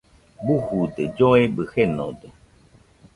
Bujude, lloebɨ jenode